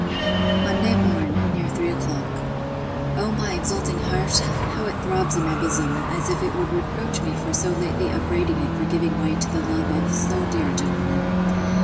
'Monday morn, near three o'clock.' O my exulting heart! how it throbs in my bosom, as if it would reproach me for so lately upbraiding it for giving way to the love of so dear a gentleman!